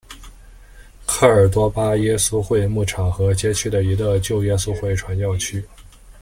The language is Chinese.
科尔多巴耶稣会牧场和街区的一个旧耶稣会传教区。